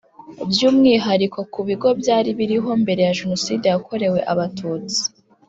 By umwihariko ku bigo byari biriho mbere ya jenoside yakorewe abatutsi